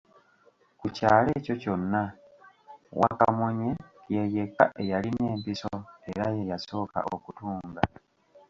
Ku kyalo ekyo kyonna, Wakamunye ye yekka eyalina empiso era ye yasooka okutunga.